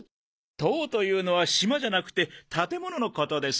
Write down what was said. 「棟」というのは島じゃなくて建物のことです。